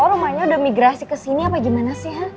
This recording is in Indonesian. lo rumahnya udah migrasi kesini apa gimana sih